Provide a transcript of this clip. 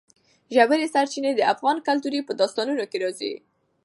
ژورې سرچینې د افغان کلتور په داستانونو کې راځي.